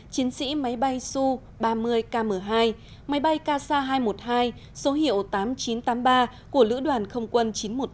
chiến sĩ máy bay su ba mươi km hai máy bay ksa hai trăm một mươi hai số hiệu tám nghìn chín trăm tám mươi ba của lữ đoàn không quân chín trăm một mươi ba